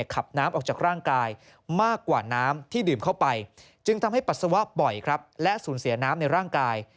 ขับน้ำออกจากร่างกายมากกว่าน้ำที่ดื่มเข้าไปจึงทำให้ปัสสาวะบ่อยครับและสูญเสียน้ำในร่างกาย